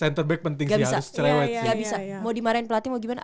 gak bisa mau dimarahin pelatih mau gimana